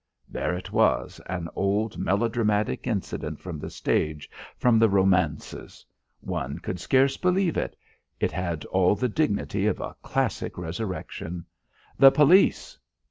There it was, an old melodramatic incident from the stage, from the romances. One could scarce believe it. It had all the dignity of a classic resurrection. "The police!"